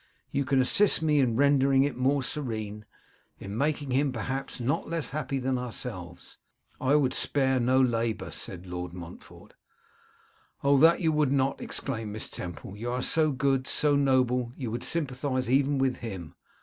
You, you can assist me in rendering it more serene; in making him, perhaps, not less happy than ourselves.' 'I would spare no labour,' said Lord Montfort. 'Oh, that you would not!' exclaimed Miss Temple. 'You are so good, so noble! You would sympathise even with him.